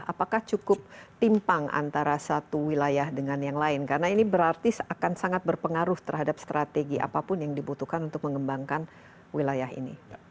apakah cukup timpang antara satu wilayah dengan yang lain karena ini berarti akan sangat berpengaruh terhadap strategi apapun yang dibutuhkan untuk mengembangkan wilayah ini